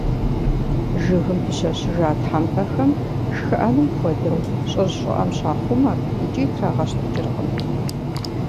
Жыгым пыщэщыжа тхьэмпэхэм, шхыӀэным хуэдэу, щӏыр щӏыӏэм щахъумэр, икӏи трагъэщтыкӀыркъым.